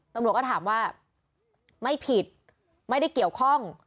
ตำรวจก็ถามว่าไม่ผิดไม่ได้เกี่ยวข้อง